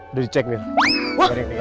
udah dicek nih